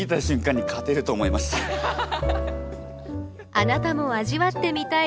あなたも味わってみたい